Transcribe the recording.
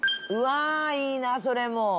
うわいいなそれも。